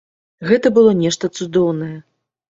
Гэта было нешта цудоўнае.